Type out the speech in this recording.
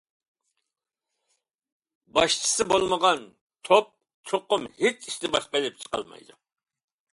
باشچىسى بولمىغان توپ چوقۇم ھېچ ئىشنى باشقا ئېلىپ چىقالمايدۇ.